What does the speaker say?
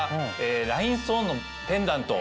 ラインストーンのペンダント。